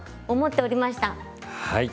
はい。